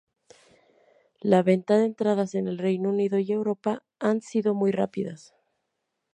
La venta de entradas en el Reino Unido y Europa han sido muy rápidas.